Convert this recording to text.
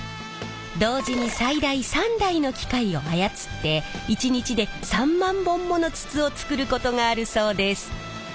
同時に最大３台の機械を操って１日で３万本もの筒を作ることがあるそうです。